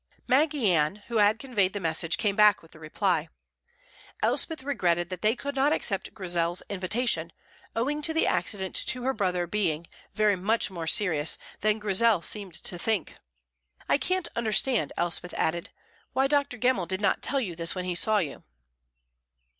Maggy Ann, who had conveyed the message, came back with the reply. Elspeth regretted that they could not accept Grizel's invitation, owing to the accident to her brother being very much more serious than Grizel seemed to think. "I can't understand," Elspeth added, "why Dr. Gemmell did not tell you this when he saw you."